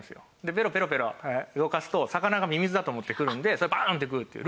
ベロペロペロ動かすと魚がミミズだと思って来るんでそれをバーンって食うっていう。